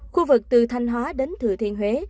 khu vực từ thanh hóa đến thừa thiên huế